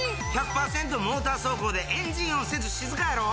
モーター走行でエンジン音せず静かやろ？